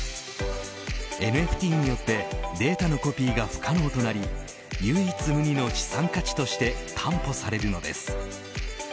ＮＦＴによってデータのコピーが不可能となり唯一無二の資産価値として担保されるのです。